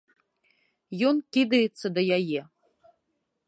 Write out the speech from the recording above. Ён кідаецца да яе.